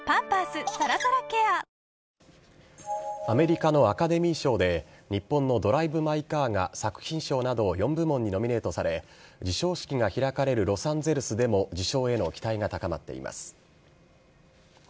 アメリカのアカデミー賞で、日本のドライブ・マイ・カーが作品賞など４部門にノミネートされ、授賞式が開かれるロサンゼルスでも、受賞への期待が高まっています。